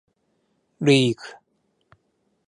リーグ